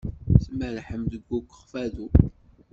Tmerrḥem deg Ukfadu?